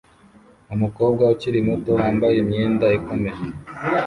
Umukobwa ukiri muto wambaye imyenda ikomeye